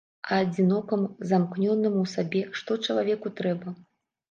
А адзінокаму, замкнёнаму ў сабе, што чалавеку трэба?